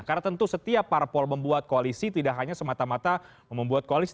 karena tentu setiap parpol membuat koalisi tidak hanya semata mata membuat koalisi